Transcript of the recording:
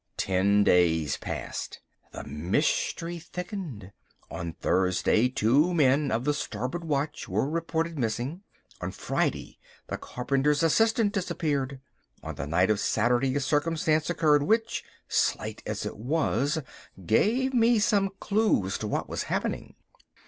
Ten days passed. The mystery thickened. On Thursday two men of the starboard watch were reported missing. On Friday the carpenter's assistant disappeared. On the night of Saturday a circumstance occurred which, slight as it was, gave me some clue as to what was happening.